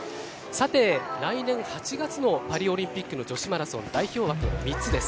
来年８月のパリオリンピックの女子マラソン代表枠は３つです。